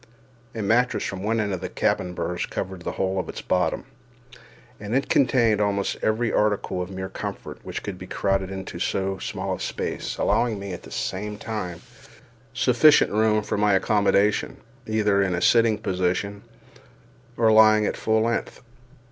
A mattress from one of the cabin berths covered the whole of its bottom, and it contained almost every article of mere comfort which could be crowded into so small a space, allowing me, at the same time, sufficient room for my accommodation, either in a sitting position or lying at full length.